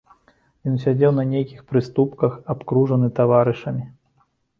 Ён сядзеў на нейкіх прыступках, абкружаны таварышамі.